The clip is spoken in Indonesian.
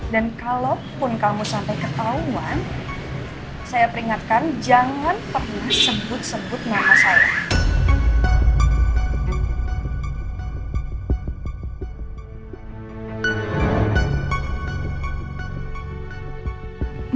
dan kalaupun kamu sampai ketauan saya peringatkan jangan pernah sebut sebut nama saya